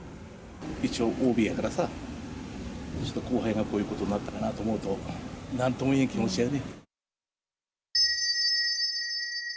一応ＯＢやからさ、後輩がこういうことになったかなと思うと、なんとも言えん気持ちやね。